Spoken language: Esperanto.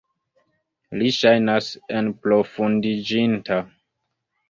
Li ŝajnas enprofundiĝinta.